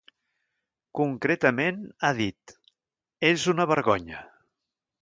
Concretament, ha dit: És una vergonya.